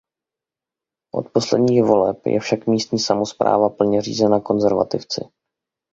Od posledních voleb je však místní samospráva plně řízena Konzervativci.